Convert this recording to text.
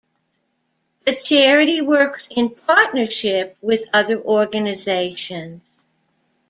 The charity works in partnership with other organisations.